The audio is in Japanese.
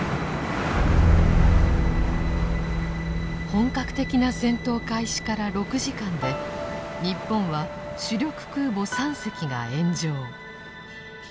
本格的な戦闘開始から６時間で日本は主力空母３隻が炎上。